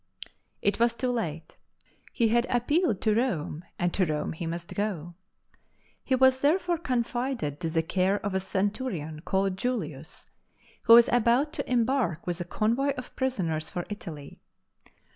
It was too late. He had appealed to Rome, and to Rome he must go. He was therefore confided to the care of a centurion called Julius, who was about to embark with a convoy of prisoners for Italy.